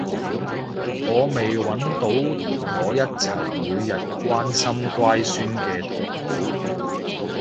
我未搵到同我一齊每日關心乖孫嘅同好